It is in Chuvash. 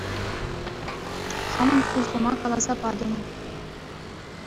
Хамӑн хуйӑхӑма каласа патӑм.